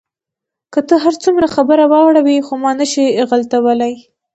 ته که هر څومره خبره واړوې، خو ما نه شې غلتولای.